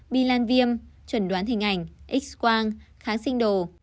bi lan viêm chuẩn đoán hình ảnh x quang kháng sinh đồ